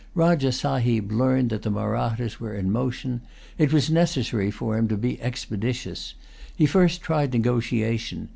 Rajah Sahib learned that the Mahrattas were in motion. It was necessary for him to be expeditious. He first tried negotiation.